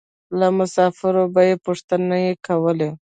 له مسافرو به یې پوښتنې کولې.